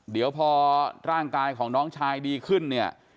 เดี๋ยวพอร่างกายของน้องชายดีขึ้นเนี่ย